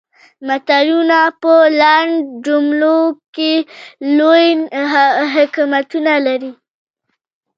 متلونه په لنډو جملو کې لوی حکمتونه لري